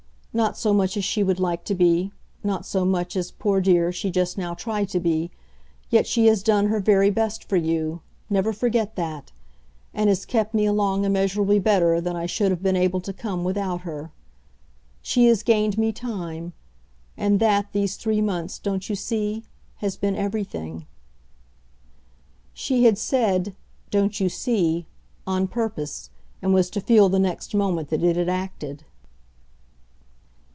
Not so much as she would like to be not so much as, poor dear, she just now tried to be; yet she has done her very best for you never forget that! and has kept me along immeasurably better than I should have been able to come without her. She has gained me time; and that, these three months, don't you see? has been everything." She had said "Don't you see?" on purpose, and was to feel the next moment that it had acted.